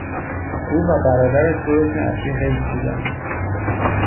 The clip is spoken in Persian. او و برادرش دو رکن اصلی حزب بودند.